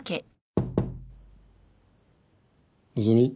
希？